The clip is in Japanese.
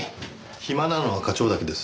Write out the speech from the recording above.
暇なのは課長だけです。